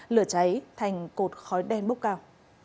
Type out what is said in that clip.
lửa cháy thành cột khói đen bốc cao